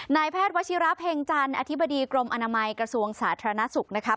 นายแพทย์วัชิระเพ็งจันทร์อธิบดีกรมอนามัยกระทรวงสาธารณสุขนะครับ